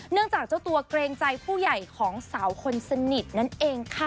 จากเจ้าตัวเกรงใจผู้ใหญ่ของสาวคนสนิทนั่นเองค่ะ